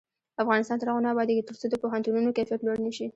افغانستان تر هغو نه ابادیږي، ترڅو د پوهنتونونو کیفیت لوړ نشي.